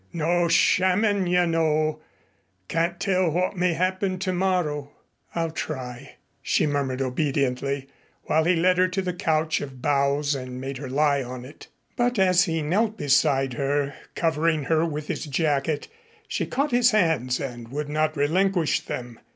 No shammin', you know. Can't tell what may happen tomorrow." "I'll try," she murmured obediently, while he led her to the couch of boughs and made her lie on it. But as he knelt beside her, covering her with his jacket, she caught his hands and would not relinquish them.